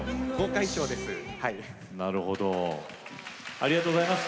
ありがとうございます。